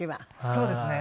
そうですね。